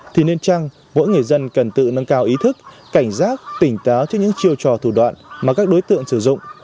thì nên chăng mỗi người dân cần tự nâng cao ý thức cảnh giác tỉnh táo trước những chiêu trò thủ đoạn mà các đối tượng sử dụng